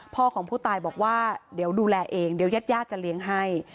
ของผู้ตายบอกว่าเดี๋ยวดูแลเองเดี๋ยวญาติญาติจะเลี้ยงให้